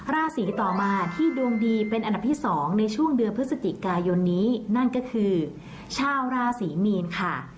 ราศีต่อมาที่ดวงดีเป็นอันดับที่๒ในช่วงเดือนพฤศจิกายนนี้นั่นก็คือชาวราศรีมีนค่ะ